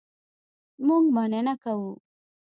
مونږ مننه کوو